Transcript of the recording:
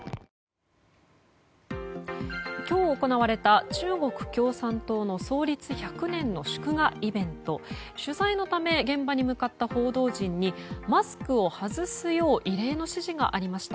今日行われた中国共産党の創立１００年の祝賀イベント取材のため現場に向かった報道陣にマスクを外すよう異例の指示がありました。